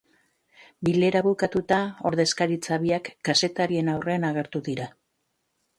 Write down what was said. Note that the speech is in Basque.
Bilera bukatuta, ordezkaritza biak kazetarien aurrean agertu dira.